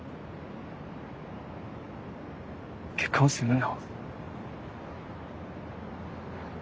結婚するの？